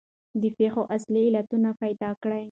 د پېښو اصلي علتونه پیدا کړئ.